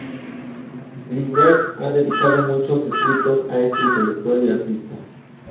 Grinberg ha dedicado muchos escritos a este intelectual y artista.